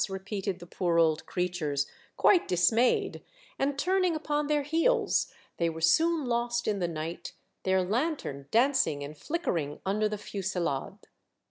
" re peated the poor old creatures, quite dismayed ; and turning upon their heels, they were soon lost in the night, their lantern dancing and flickering under the fusillade.